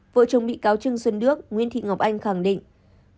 vợ chồng bị cao trưng xuân đước nguyên thị ngọc anh khẳng định